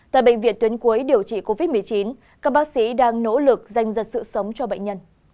tại bệnh viện tuyến cuối điều trị covid một mươi chín các bác sĩ đang nỗ lực danh giật sự sống cho bệnh nhân